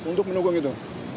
untuk mendukung itu